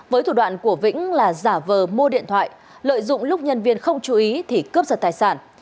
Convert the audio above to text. với thủ đoạn của vĩnh là giả vờ mua điện thoại lợi dụng lúc nhân viên không chú ý thì cướp giật tài sản